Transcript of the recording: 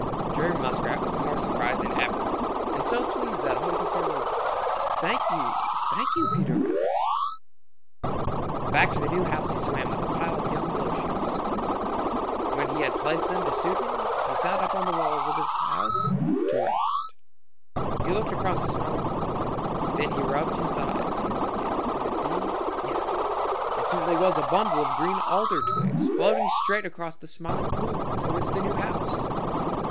Jerry Muskrat was more surprised than ever and so pleased that all he could say was, "Thank you, thank you, Peter Rabbit!" Back to the new house he swam with the pile of young willow shoots. When he had placed them to suit him he sat up on the walls of his house to rest. He looked across the Smiling Pool. Then he rubbed his eyes and looked again. Could it be yes, it certainly was a bundle of green alder twigs floating straight across the Smiling Pool towards the new house!